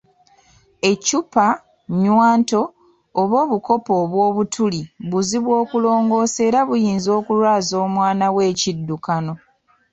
Eccupa, nnywanto oba obukopo obw'obutuli, bizibu okulongoosa era biyinza okulwaza omwana wo ekiddukano.